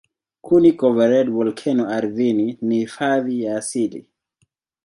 Kuni-covered volkeno ardhini ni hifadhi ya asili.